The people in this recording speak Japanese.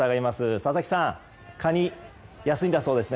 佐々木さん、カニ安いんだそうですね。